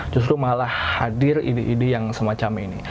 justru malah hadir ide ide yang semacam ini